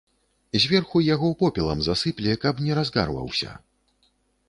Зверху яго попелам засыпле, каб не разгарваўся.